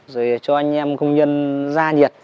rồi cho anh em công nhân ra nhiệt